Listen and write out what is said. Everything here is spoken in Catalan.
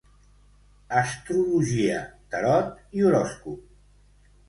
Astrologia, tarot i horòscop.